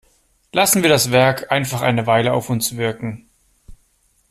Lassen wir das Werk einfach eine Weile auf uns wirken!